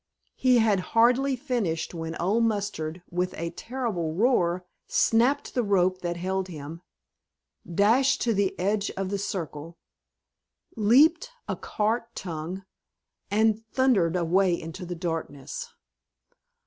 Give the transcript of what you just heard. He had hardly finished when Old Mustard, with a terrible roar, snapped the rope that held him, dashed to the edge of the circle, leaped a cart tongue, and thundered away into the darkness.